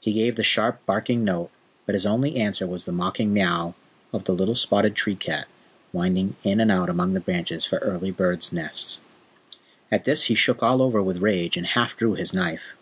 He gave the sharp, barking note, but his only answer was the mocking maiou of the little spotted tree cat winding in and out among the branches for early birds' nests. At this he shook all over with rage, and half drew his knife.